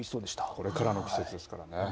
これからの季節ですからね